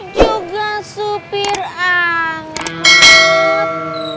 juga supir anggot